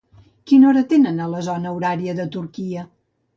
Quina hora tenen a la zona horària de Turquia?